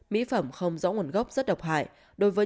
mỹ phẩm không rõ nguồn gốc rất độc hại